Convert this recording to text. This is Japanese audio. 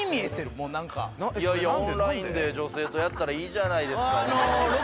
オンラインで女性とやったらいいじゃないですか。